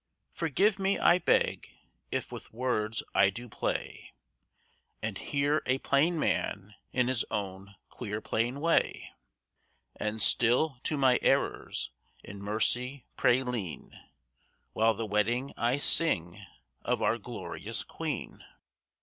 Forgive me I beg, if with words I do play, And "hear a plain man in his own queer plain way," And still to my errors in mercy pray lean, While the wedding I sing of our glorious Queen!